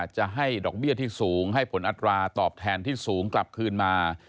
จะให้ดอกเบี้ยที่สูงให้ผลอัตราตอบแทนที่สูงกลับคืนมา